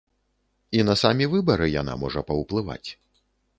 І на самі выбары яна можа паўплываць.